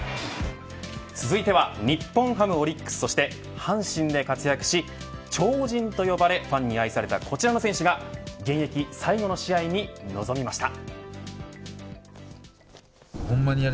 続いては日本ハム、オリックスそして阪神で活躍し超人と呼ばれファンに愛されたこちらの選手が現役最後の試合に臨みました。